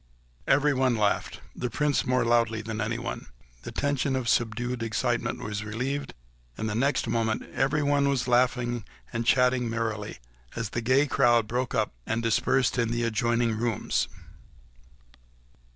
Everyone laughed—the Prince more loudly than anyone. The tension of subdued excitement was relieved, and the next moment everyone was laughing and chatting merrily as the gay crowd broke up and dispersed in the adjoining rooms.